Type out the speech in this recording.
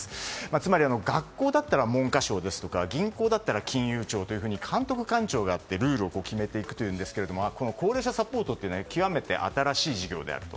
つまり学校なら文科省ですとか銀行だったら金融庁というふうに監督官庁があってルールを決めていくんですが高齢者サポートというのは極めて新しい事業であると。